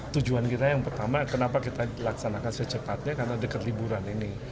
tujuan kita yang pertama kenapa kita laksanakan secepatnya karena dekat liburan ini